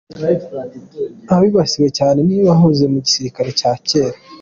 Abibasiwe cyane ni abahoze mu gisirikare cya kera.